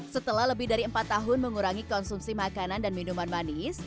setelah lebih dari empat tahun mengurangi konsumsi makanan dan minuman manis